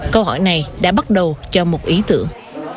câu hỏi này đã bắt đầu cho một ý tưởng